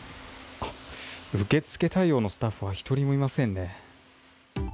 受け付け対応のスタッフは一人もいませんね。